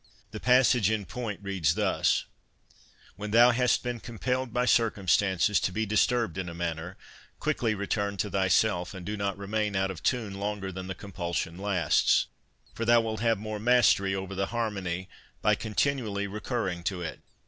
The passage in point reads thus :' When thou hast been compelled by circumstances to be disturbed in a manner, quickly return to thyself, and do not remain out of tune longer than the com pulsion lasts ; for thou wilt have more mastery over the harmony by continually recurring to it.'